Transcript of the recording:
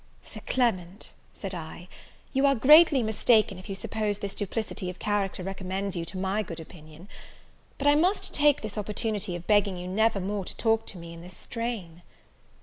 "Sir Clement," said I, "you are greatly mistaken if you suppose this duplicity of character recommends you to my good opinion. But I must take this opportunity of begging you never more to talk to me in this strain."